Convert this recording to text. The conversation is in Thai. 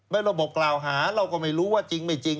ระบบกล่าวหาเราก็ไม่รู้ว่าจริงไม่จริง